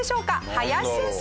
林先生